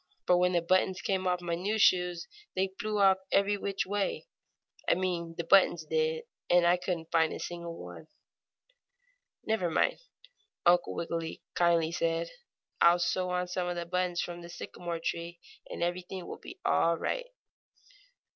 "For when the buttons came off my new shoes they flew every which way I mean the buttons did and I couldn't find a single one." "Never mind," Uncle Wiggily kindly said. "I'll sew on some of the buttons from the sycamore tree, and everything will be all right."